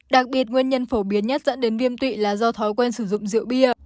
đặc biệt nguyên nhân phổ biến nhất dẫn đến viêm tụy là do thói quen sử dụng rượu bia